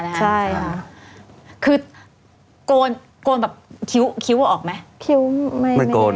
นะคะใช่ค่ะคือโกนโกนแบบคิ้วคิ้วออกไหมคิ้วไม่ไม่โกน